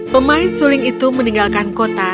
pemain suling itu meninggalkan kota